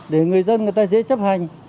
để người dân người ta dễ chấp hành